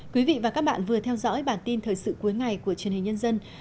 quý vị và các bạn vừa theo dõi bản tin thời sự cuối ngày của truyền hình nhân dân